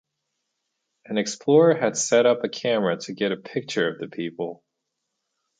An explorer had set up a camera to get a picture of the people.